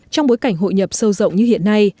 trong bối cảnh hội nhập sâu rộng như hiện nay